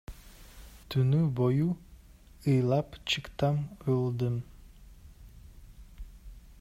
Түнү бою ыйлап чыктым, уялдым.